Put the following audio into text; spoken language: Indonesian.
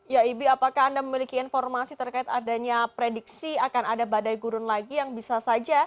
ya ibi apakah anda memiliki informasi terkait adanya prediksi akan ada badai gurun lagi yang bisa saja